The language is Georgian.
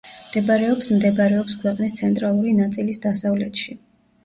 მდებარეობს მდებარეობს ქვეყნის ცენტრალური ნაწილის დასავლეთში.